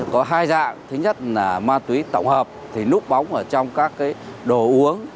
có hai dạng thứ nhất là ma túy tổng hợp thì núp bóng ở trong các cái đồ uống